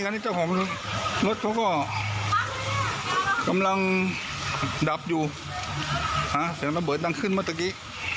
อันนี้เจ้าของรถเขาก็กำลังดับอยู่เสียงระเบิดดังขึ้นเมื่อตะกี้